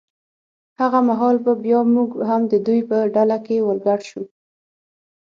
هغه مهال به بیا موږ هم د دوی په ډله کې ور ګډ شو.